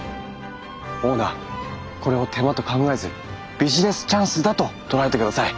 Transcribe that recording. オーナーこれを手間と考えずビジネスチャンスだと捉えてください。